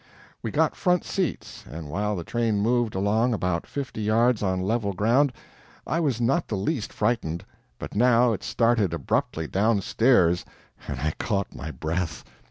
We got front seats, and while the train moved along about fifty yards on level ground, I was not the least frightened; but now it started abruptly downstairs, and I caught my breath.